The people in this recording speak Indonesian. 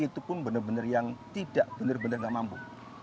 yang benar benar tidak mampu